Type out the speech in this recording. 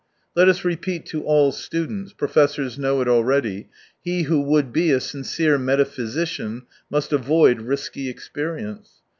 Let us repeat to all students — professors know it already : he who w ould be a sincere metaphysician must avoid risky experience.